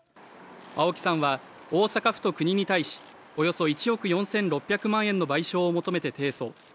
青木さんは大阪府と国に対しおよそ１億４６００万円の賠償を求めて提訴。